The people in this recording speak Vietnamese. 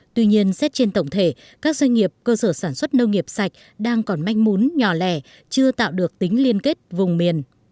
tuy nhiên xét trên tổng thể các doanh nghiệp cơ sở sản xuất nông nghiệp sạch đang còn manh mún nhỏ lẻ chưa tạo được tính liên kết vùng miền